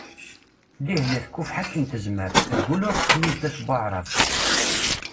Dihya tkufeḥ akken tezmer, teggul ur tekni zdat Waεrab.